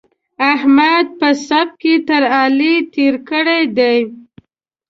احمد په سبق کې تر علي تېری کړی دی.